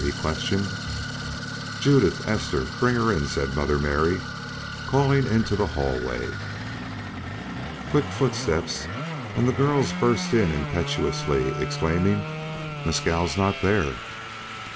he questioned. "Judith, Esther, bring her in," said Mother Mary, calling into the hallway. Quick footsteps, and the girls burst in impetuously, exclaiming: "Mescal's not there!"